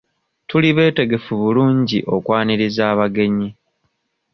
Tuli betegefu bulungi okwaniriza abagenyi.